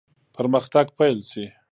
پرمختګ پیل شي.